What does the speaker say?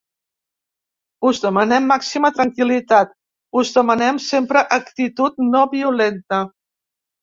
Us demanem màxima tranquil·litat, us demanem sempre actitud no violenta.